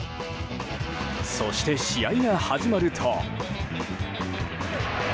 そして、試合が始まると。